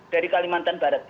dari kalimantan barat